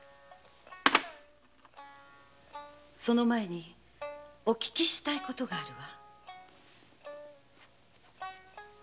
その前にお訊きしたいことがあるわ。